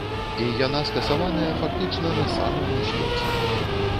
І яна скасаваная фактычна на самым узлёце.